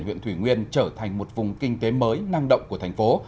huyện thủy nguyên trở thành một vùng kinh tế mới năng động của thành phố